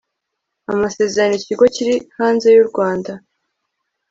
amasezerano ikigo kiri hanze y u Rwanda